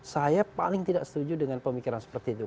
saya paling tidak setuju dengan pemikiran seperti itu